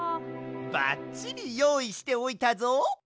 ばっちりよういしておいたぞ！